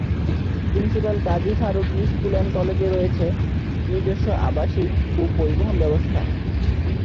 Principal Kazi Faruki school and কলেজে রয়েছে নিজস্ব আবাসিক ও পরিবহন ব্যবস্থা।